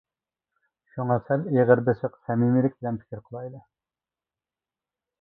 شۇڭا سەل ئېغىر بېسىق، سەمىمىيلىك بىلەن پىكىر قىلايلى!